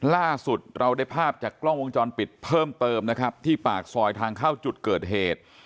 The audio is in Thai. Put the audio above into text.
ล่าสุดเราได้ภาพจากกล้องวงจรปิดเพิ่มเติมนะครับที่ปากซอยทางเข้าจุดเกิดเหตุ